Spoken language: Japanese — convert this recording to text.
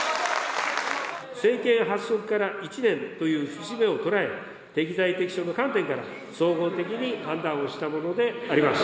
政権発足から１年という節目を捉え、適材適所の観点から、総合的に判断をしたものであります。